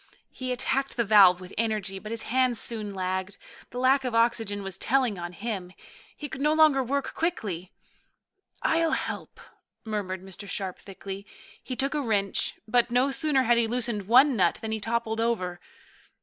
He attacked the valve with energy, but his hands soon lagged. The lack of oxygen was telling on him. He could no longer work quickly. "I'll help," murmured Mr. Sharp thickly. He took a wrench, but no sooner had he loosened one nut than he toppled over.